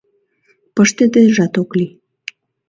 Пыштыдежат ок лий.